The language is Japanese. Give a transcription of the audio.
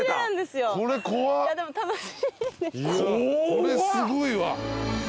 これすごいわ。